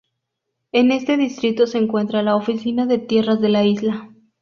En este distrito se encuentra la oficina de tierras de la isla.